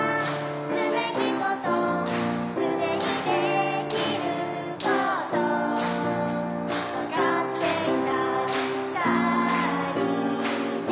「すべきことすでにできること」「分かっていたりしたりね」